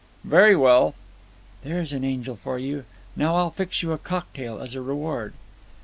"Very well." "There's an angel for you. Now I'll fix you a cocktail as a reward."